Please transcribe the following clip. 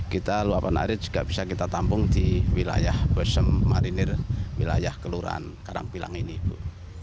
kita luapan air juga bisa kita tampung di wilayah bosem marinir wilayah kelurahan karangpilang ini ibu